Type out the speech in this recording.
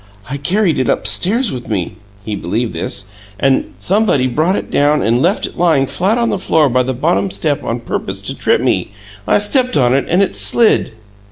"I carried it upstairs with me" he believed this "and somebody brought it down and left it lying flat on the floor by the bottom step on purpose to trip me! I stepped on it and it slid."